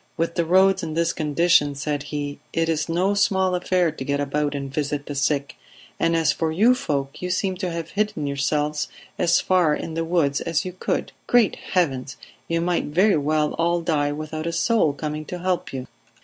"With the roads in this condition," said he, "it is no small affair to get about and visit the sick. And as for you folk, you seem to have hidden yourselves as far in the woods as you could. Great Heavens! You might very well all die without a soul coming to help you."